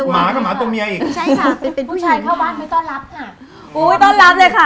ผู้หญิงเข้าบ้านไม่ต้องรับค่ะ